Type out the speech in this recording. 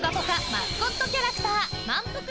マスコットキャラクターまんぷく